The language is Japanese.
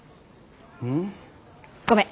うん？ごめん。